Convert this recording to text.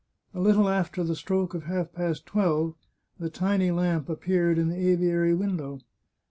A little after the stroke of half past twelve the tiny lamp appeared in the aviary window.